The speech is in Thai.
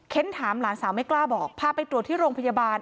ถามหลานสาวไม่กล้าบอกพาไปตรวจที่โรงพยาบาล